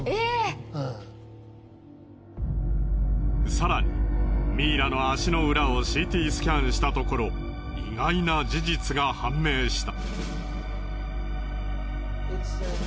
更にミイラの足の裏をＣＴスキャンしたところ意外な事実が判明した。